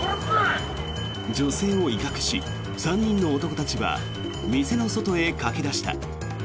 女性を威嚇し、３人の男たちは店の外へ駆け出した。